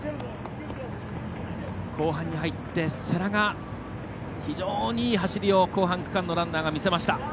後半に入って、世羅が非常にいい走りを後半区間のランナーが見せました。